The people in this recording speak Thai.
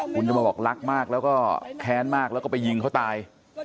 คุณจะมาบอกรักมากแล้วก็แค้นมากแล้วก็ไปยิงเขาตาย